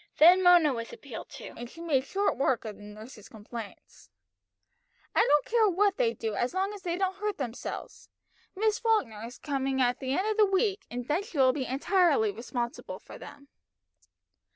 Then Mona was appealed to, and she made short work of nurse's complaints. "I don't care what they do as long as they don't hurt themselves. Miss Falkner is coming the end of the week, and then she will be entirely responsible for them."